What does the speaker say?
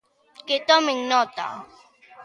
Que tomen nota.